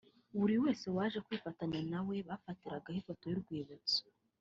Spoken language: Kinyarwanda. buri wese waje kwifatanya na we bafatiragaho ifoto y'urwibutso